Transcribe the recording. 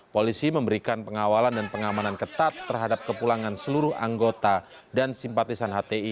polisi memberikan pengawalan dan pengamanan ketat terhadap kepulangan seluruh anggota dan simpatisan hti